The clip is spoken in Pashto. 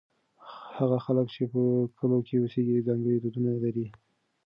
هغه خلک چې په کلو کې اوسېږي ځانګړي دودونه لري.